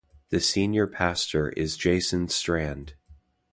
The senior pastor is Jason Strand.